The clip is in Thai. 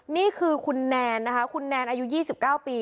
นี่คือคุณแนนนะคะคุณแนนอายุ๒๙ปี